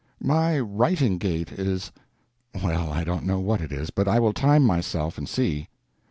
My writing gait is—well, I don't know what it is, but I will time myself and see.